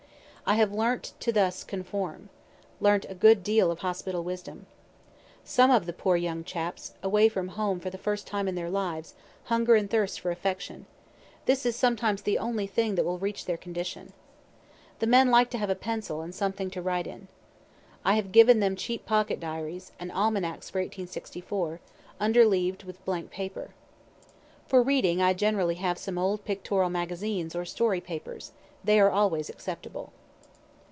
I have learnt to thus conform learnt a good deal of hospital wisdom. Some of the poor young chaps, away from home for the first time in their lives, hunger and thirst for affection; this is sometimes the only thing that will reach their condition. The men like to have a pencil, and something to write in. I have given them cheap pocket diaries, and almanacs for 1864, interleav'd with blank paper. For reading I generally have some old pictorial magazines or story papers they are always acceptable.